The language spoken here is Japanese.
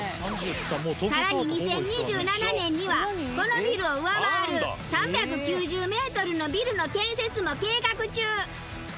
さらに２０２７年にはこのビルを上回る３９０メートルのビルの建設も計画中。